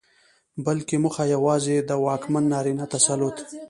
بلکې موخه يواځې د واکمن نارينه تسلط